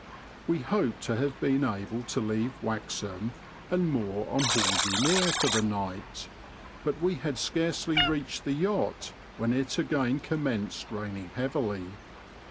We hoped to have been able to leave Waxham and moor on Horsey Mere for the night, but we had scarcely reached the yacht when it again commenced raining heavily.